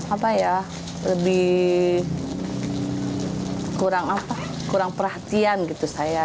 apa ya lebih kurang apa kurang perhatian gitu saya